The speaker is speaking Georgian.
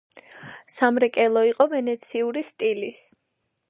სამრეკლო იყო ვენეციური სტილის.